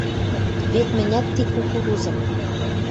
Вет мӹнят ти кукурузым